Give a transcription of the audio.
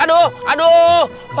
aduh aduh aduh